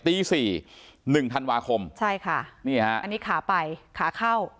ตีสี่หนึ่งธันวาคมใช่ค่ะนี่ฮะอันนี้ขาไปขาเข้า